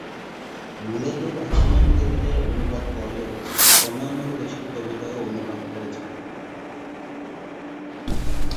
মূলত রাশিয়ান কবিতার অনুবাদ করলেও অন্যান্য দেশের কবিতাও অনুবাদ করেছিলেন।